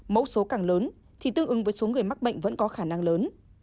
mẫu số càng lớn thì tương ứng với số người mắc bệnh vẫn có khả năng lớn